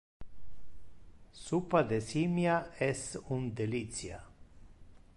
Suppa de simia es un delicia.